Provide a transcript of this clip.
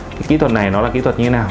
cái kỹ thuật này nó là kỹ thuật như thế nào